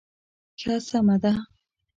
ښه سمه ده.